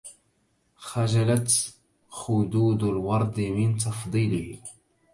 خجلت خدود الورد من تفضيله